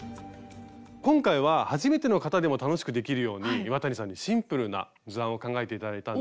今回は初めての方でも楽しくできるように岩谷さんにシンプルな図案を考えて頂いたんで。